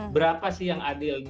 berapa sih yang adil